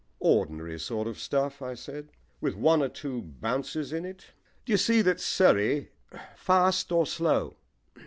"Ordinary sort of stuff," I said, "with one or two bounces in it. Do you see that Surrey " "Fast or slow?"